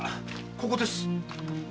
ここです。